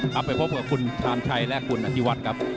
กลับไปพบกับคุณทามชัยและคุณอธิวัตรครับ